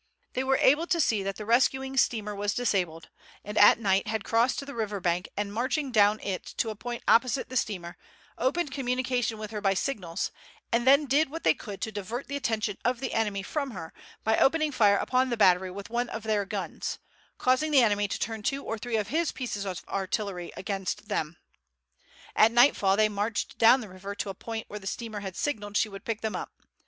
They were able to see that the rescuing steamer was disabled, and at night had crossed to the river bank, and marching down it to a point opposite the steamer, opened communication with her by signals, and then did what they could to divert the attention of the enemy from her by opening fire upon the battery with one of their guns, causing the enemy to turn two or three of his pieces of artillery against them. At nightfall they marched down the river to a point where the steamer had signalled she would pick them up.